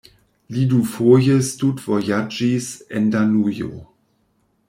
Li dufoje studvojaĝis en Danujo.